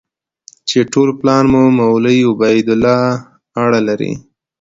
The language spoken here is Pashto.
چې ټول پلان په مولوي عبیدالله اړه لري.